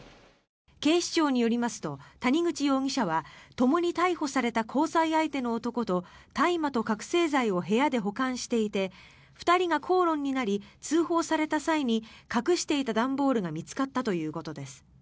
警視庁によりますと谷口容疑者はともに逮捕された交際相手の男と大麻と覚醒剤を部屋で保管していて２人が口論になり通報された際に隠していた段ボールが見つかったということです。